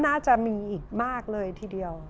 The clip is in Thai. น่าจะมีอีกมากเลยทีเดียว